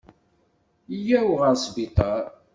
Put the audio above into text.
Yya-w ɣer sbiṭar.